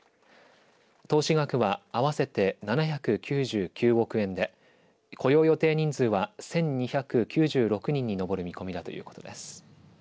投資額は、合わせて７９９億円で雇用予定人数は１２９６人に上る見込みだということです。